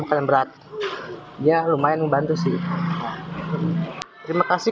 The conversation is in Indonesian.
penyelenggara mengatakan program ini banyak melibatkan elemen masyarakat dan dalam acara ini